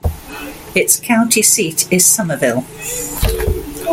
Its county seat is Somerville.